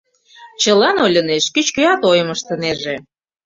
Чылан ойлынешт, кеч-кӧат ойым ыштынеже.